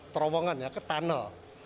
terowongan ya ke tunnel